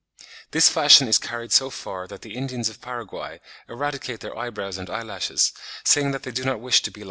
This fashion is carried so far that the Indians of Paraguay eradicate their eyebrows and eyelashes, saying that they do not wish to be like horses.